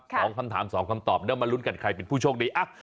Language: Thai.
๒คำถาม๒คำตอบแล้วมารุ้นกันใครเป็นผู้โชคดี